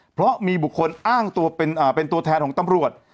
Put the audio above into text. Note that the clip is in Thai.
เพราะมีบุคคลอ้างตัวเป็นตัวแทนของตำรวจ